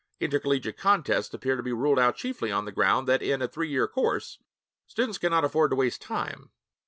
Intercollegiate contests appear to be ruled out chiefly on the ground that, in a three year course, students cannot afford to waste time.